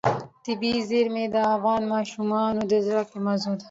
طبیعي زیرمې د افغان ماشومانو د زده کړې موضوع ده.